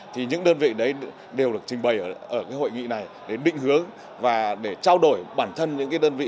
thì những đơn vị đấy đều được trình bày ở hội nghị này để định hướng và để trao đổi bản thân những đơn vị